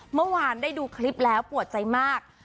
เมื่อวานได้ดูคลิปแล้วปวดใจมาก